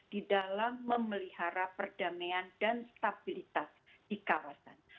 di dalam memelihara perdamaian dan stabilitas di kawasan